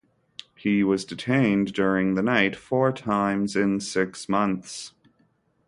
He was detained during the night four times in six months.